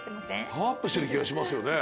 パワーアップしてる気がしますよね。